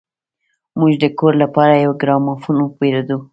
موږ د کور لپاره يو ګرامافون وپېرود.